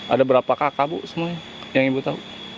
ada berapa kakak bu semuanya yang ibu tahu